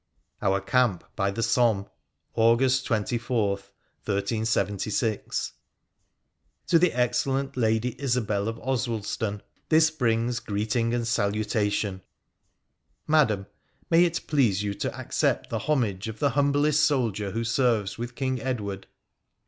OUR CAMP BY THE SOMME. August 24, 1376. To the Excellent Lady Isobel of Oswaldston this brings greeting and salutation. Madam, — May it please you to accept the homage of the humblest soldier who serves with King Edward